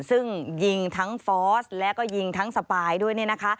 ซึ่งยิงทั้งฟอสแล้วก็ยิงทั้งสปายด้วยเนี่ยนะคะ